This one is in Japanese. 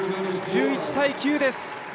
１１−９です！